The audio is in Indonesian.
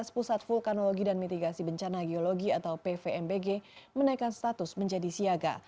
pusat vulkanologi dan mitigasi bencana geologi atau pvmbg menaikkan status menjadi siaga